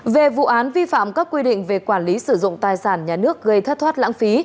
về vụ án vi phạm các quy định về quản lý sử dụng tài sản nhà nước gây thất thoát lãng phí